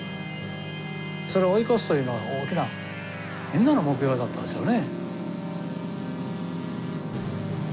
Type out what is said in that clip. それを追い越すというのは大きなみんなの目標だったですよね。